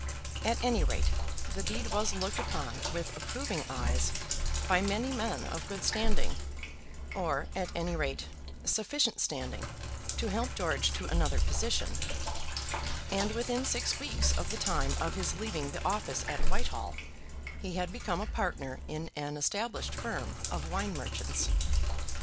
At any rate the deed was looked upon with approving eyes by many men of good standing, or, at any rate, sufficient standing to help George to another position; and within six weeks of the time of his leaving the office at Whitehall, he had become a partner in an established firm of wine merchants.